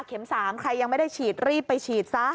๓ใครยังไม่ได้ฉีดรีบไปฉีดซะ